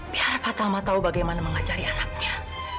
biar pak tama tahu bagaimana mengacari anaknya